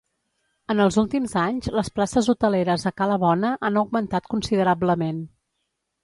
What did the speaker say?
En els últims anys, les places hoteleres a Cala Bona han augmentat considerablement.